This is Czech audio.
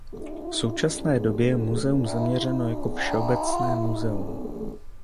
V současné době je muzeum zaměřeno jako "všeobecné" muzeum.